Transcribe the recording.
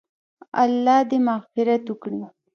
الله دې مغفرت وکړي -